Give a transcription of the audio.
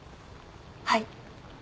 はい。